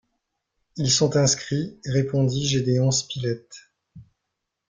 Ils sont inscrits, répondit Gédéon Spilett.